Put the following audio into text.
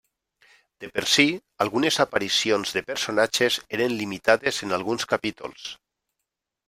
De per si, algunes aparicions de personatges eren limitades en alguns capítols.